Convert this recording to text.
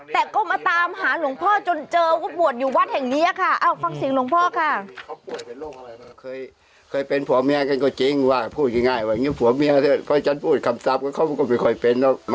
แต่ก็มาตามหาหลวงพ่อจนเจอว่าบวชอยู่วัดแห่งเนี้ยค่ะ